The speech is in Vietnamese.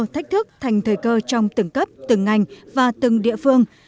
các nước thành thời cơ trong từng cấp từng ngành và từng địa phương